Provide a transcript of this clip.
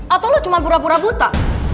atau lo cuma pura pura buta